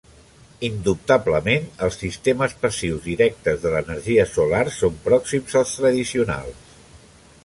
Indubtablement, els sistemes passius directes de l'energia solar són pròxims als tradicionals.